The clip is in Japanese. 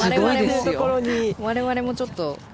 我々もちょっと。